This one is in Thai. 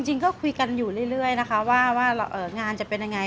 จริงก็คุยกันอยู่เรื่อยนะคะว่างานจะเป็นยังไง